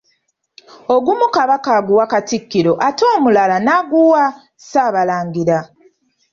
Ogumu Kabaka aguwa Katikkiro ate omulala n'aguwa Ssaabalangira.